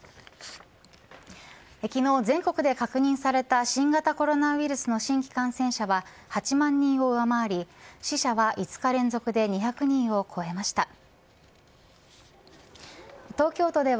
昨日、全国で確認された新型コロナウイルスの新規感染者は８万人を上回り死者は５日連続で２００人を超えました。